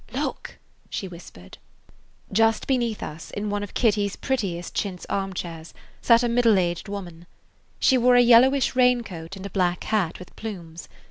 "Look!" she whispered. Just beneath us, in one of Kitty's prettiest chintz arm chairs, sat a middle aged woman. She wore a yellowish raincoat and a black hat with plumes.